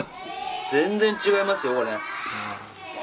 全然違いますよこれ。